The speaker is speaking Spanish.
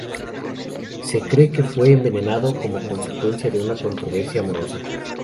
Se cree que fue envenenado como consecuencia de una controversia amorosa.